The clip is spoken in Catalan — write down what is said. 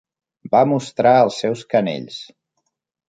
Va mostrar els seus canells.